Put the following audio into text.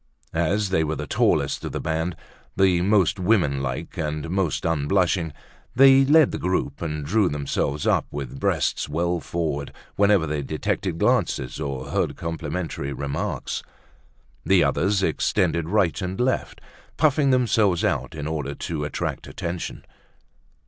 As they were the tallest of the band, the most woman like and most unblushing, they led the troop and drew themselves up with breasts well forward whenever they detected glances or heard complimentary remarks. The others extended right and left, puffing themselves out in order to attract attention.